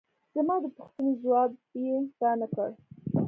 زما د پوښتنې ځواب یې را نه کړ.